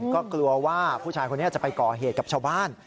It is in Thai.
ก็กลัวว่าผู้ชายคนนี้จะไปก่อเหตุกับชาวบ้าน